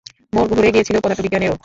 মোড় ঘুরে গিয়েছিল পদার্থবিজ্ঞানেরও।